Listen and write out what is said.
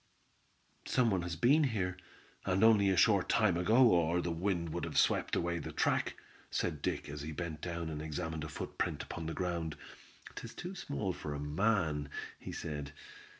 "Some one has been here, and only a short time ago, or the wind would have swept away the track," said Dick, as he bent down and examined a footprint upon the ground. "'Tis too small for a man," he said.